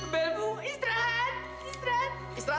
bel bu istirahat